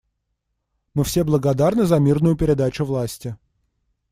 Мы все благодарны за мирную передачу власти.